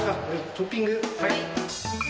トッピングはい。